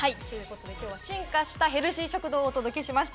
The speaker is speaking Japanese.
きょうは進化したヘルシー食堂をお届けしました。